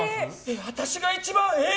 私が一番、えー！